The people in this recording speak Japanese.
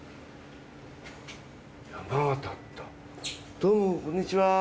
どうもこんにちは。